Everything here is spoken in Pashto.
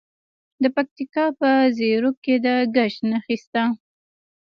د پکتیکا په زیروک کې د ګچ نښې شته.